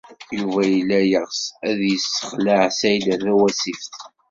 Yuba yella yeɣs ad yessexleɛ Saɛida Tawasift.